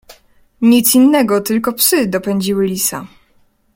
"Nic innego, tylko psy dopędziły lisa."